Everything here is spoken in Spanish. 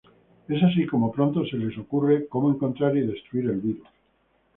Es así como pronto se les ocurre como encontrar y destruir el virus.